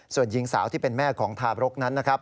ส่วนหญิงสาวที่เป็นแม่ของทาบรกนั้นนะครับ